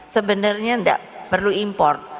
sebenarnya tidak perlu import